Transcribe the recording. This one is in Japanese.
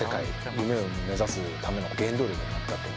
夢を目指すための原動力になった。